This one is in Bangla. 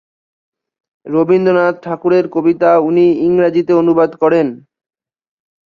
রবীন্দ্রনাথ ঠাকুরের কবিতা উনি ইংরেজিতে অনুবাদ করেন।